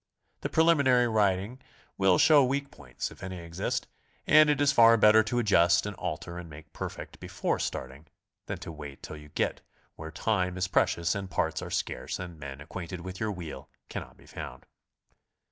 The preliminary rid ing will show weak points if any exist, and it is far better to adjust and alter and make perfect before starting than to wait till you get where time is precious and parts are scarce and men acquainted with your wheel cannot be found.